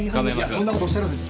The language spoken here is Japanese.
そんな事おっしゃらずに。